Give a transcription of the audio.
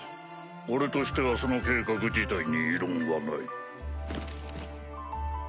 俺としてはその計画自体に異論はない。